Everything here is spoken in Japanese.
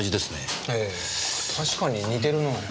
ええ確かに似てるなあ。